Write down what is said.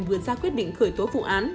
vừa ra quyết định khởi tố vụ án